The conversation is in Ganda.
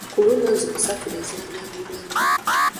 Ku luno zonsatule zanyagibwa nnyo.